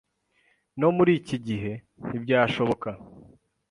No muri iki gihe, ntibyashoboka.